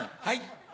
はい。